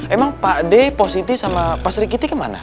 emang pak d positif sama pak sri kiti kemana